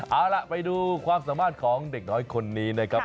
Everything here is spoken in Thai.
เอาล่ะไปดูความสามารถของเด็กน้อยคนนี้นะครับ